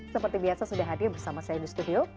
seperti biasa sudah hadir bersama saya di studio